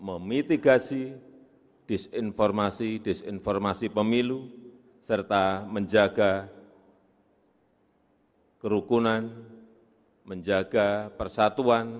memitigasi disinformasi disinformasi pemilu serta menjaga kerukunan menjaga persatuan